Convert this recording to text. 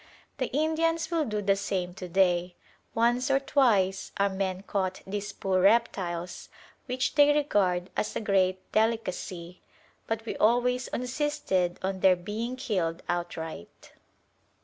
The Indians will do the same to day: once or twice our men caught these poor reptiles, which they regard as a great delicacy; but we always insisted on their being killed outright.